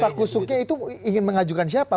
kasah kusuknya itu ingin mengajukan siapa